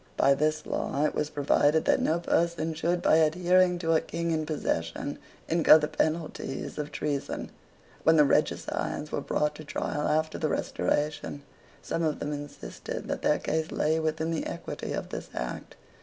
By this law it was provided that no person should, by adhering to a King in possession, incur the penalties of treason. When the regicides were brought to trial after the Restoration, some of them insisted that their case lay within the equity of this act.